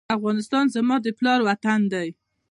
افغانستان زما د پلار وطن دی؟